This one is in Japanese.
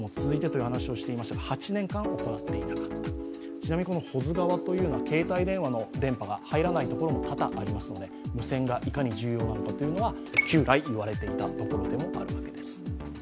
ちなみに保津川というのは携帯電話の電波が入らないところも多々ありますので無線がいかに重要なのかというのは旧来言われていたところでもあるわけです。